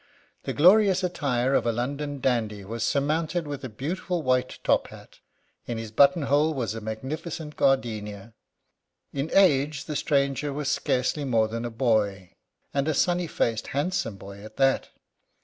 The glorious attire of a London dandy was surmounted with a beautiful white top hat. In his button hole was a magnificent gardenia. In age the stranger was scarcely more than a boy, and a sunny faced, handsome boy at that.